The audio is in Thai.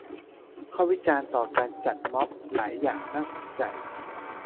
ข้อวิจารณ์ต่อการจัดม็อบหลายอย่างน่าสนใจ